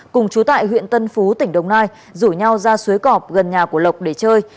cùng chú tại huyện tân phú tỉnh đồng nai rủ nhau ra suối cọp gần nhà của lộc để chơi